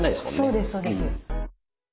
そうですそうです。